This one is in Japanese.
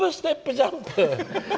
ジャンプ！」。